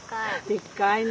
でっかいね。